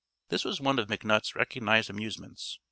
This was one of McNutt's recognized amusements.